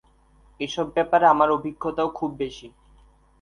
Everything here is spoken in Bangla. এসব ব্যাপারে আমার অভিজ্ঞতাও খুব বেশি।